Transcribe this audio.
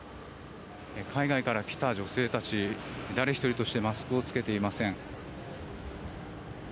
海外から来た女性たち誰１人としてマスクを着けていません。